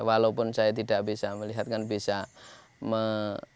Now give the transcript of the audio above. walaupun saya tidak bisa melihatkan bisa apa ya memfungsikan hp